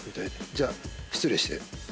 じゃあ失礼して。